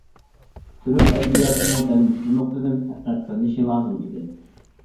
تۈرك ئەدەبىياتىمۇ دەل مۇشۇ نۇقتىدىن تەتقىق قىلىنىشى لازىم ئىدى.